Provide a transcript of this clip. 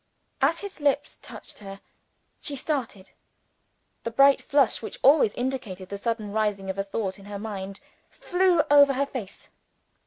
As his lips touched her, she started. The bright flush which always indicated the sudden rising of a thought in her mind, flew over her face.